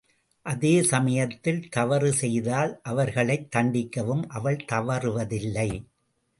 அதே சமயத்தில் தவறு செய்தால் அவர்களைத் தண்டிக்கவும் அவள் தவறுவதில்லை.